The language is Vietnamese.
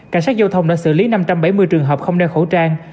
cảnh sát giao thông đã xử lý năm trăm bảy mươi trường hợp không đeo khẩu trang